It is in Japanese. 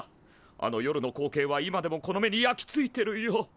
あの夜の光景は今でもこの目に焼き付いてるよ。